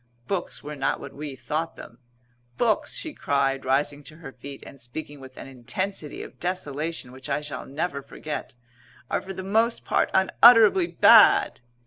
Books were not what we thought them. "Books," she cried, rising to her feet and speaking with an intensity of desolation which I shall never forget, "are for the most part unutterably bad!"